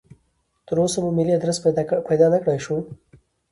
تراوسه مو ملي ادرس پیدا نکړای شو.